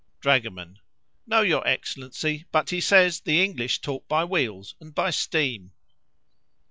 Dragoman.—No, your Excellency; but he says the English talk by wheels, and by steam.